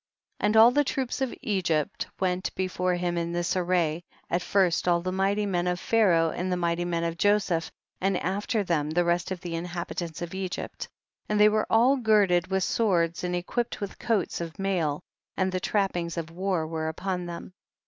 38. And all the troops of Egypt went before him in this array, at first all the mighty men of Pharaoh and the mighty men of Joseph, and after them the rest of the inhabitants of Egypt, and they were all girded with swords and equipped with coats of mail, and the trappings of war were upon them.